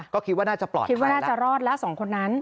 ก็คิดว่าน่าจะปลอดภัยแล้วคิดว่าน่าจะรอดแล้ว๒คนนั้น